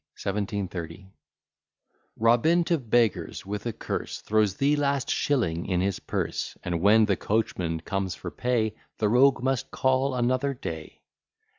1730 Robin to beggars with a curse, Throws the last shilling in his purse; And when the coachman comes for pay, The rogue must call another day.